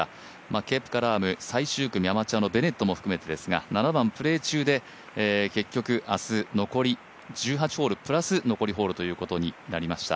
ケプカ、ラーム、最終組ベネットも含めてですが７番、プレー中で結局、明日、残り１８ホールプラス残りホールということになりました。